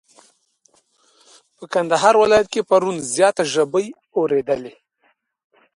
په کندهار ولايت کي پرون زياته ژبی اوريدلې.